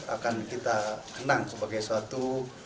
akan kita kenang sebagai suatu